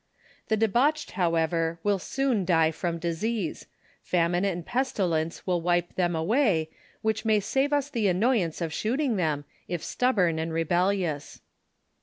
The debauched, however, will soon die from disease ; famine and pestilence will wipe tliem away, whicli may save us the annoyance of shooting them, if stubborn and rebellious.